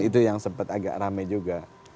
itu yang sempat agak rame juga